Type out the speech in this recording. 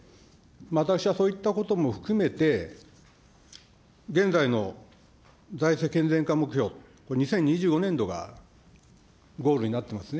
私はそういったことも含めて、現在の財政健全化目標、２０２５年度がゴールになってますね。